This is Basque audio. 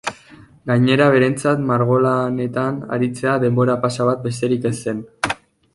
Gainera, berentzat margolanetan aritzea denbora-pasa bat besterik ez zen.